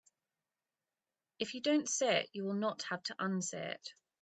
If you don't say it you will not have to unsay it.